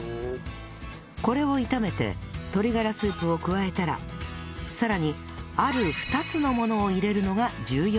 これを炒めて鶏がらスープを加えたらさらにある２つのものを入れるのが